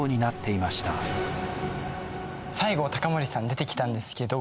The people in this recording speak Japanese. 西郷隆盛さん出てきたんですけど。